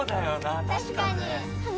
たしかにね。